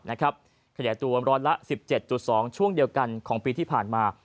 ขยายตัวร้อยละ๑๗๒ช่วงเดียวกันของปีที่ผ่านมา